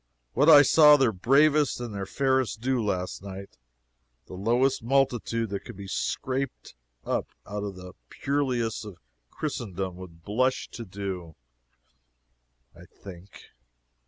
What I saw their bravest and their fairest do last night, the lowest multitude that could be scraped up out of the purlieus of Christendom would blush to do, I think.